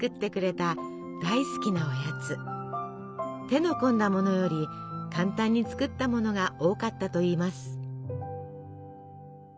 手の込んだものより簡単に作ったものが多かったといいます。